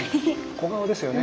小顔ですよね。